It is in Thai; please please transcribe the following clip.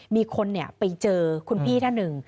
มีคนไปเจอคุณพี่ท่านหนึ่ง